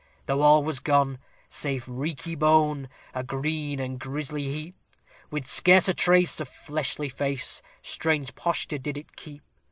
Though all was gone, save reeky bone, a green and grisly heap, With scarce a trace of fleshly face, strange posture did it keep.